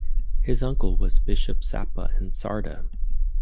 His uncle was Bishop of Sapa and Sarda.